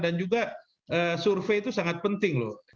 dan juga survei itu sangat penting loh